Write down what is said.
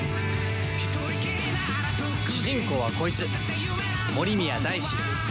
主人公はこいつ森宮大志。